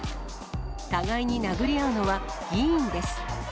互いに殴り合うのは議員です。